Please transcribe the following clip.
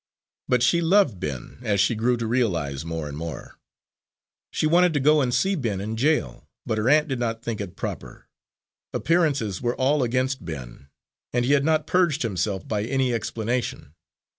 But she loved Ben, as she grew to realise, more and more. She wanted to go and see Ben in jail but her aunt did not think it proper. Appearances were all against Ben, and he had not purged himself by any explanation.